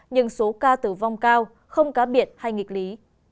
nhưng số ca tử vong cao không cá biệt hay nghịch lý